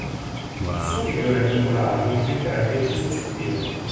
Il suo migliore amico Laio diventerà invece suo scudiero.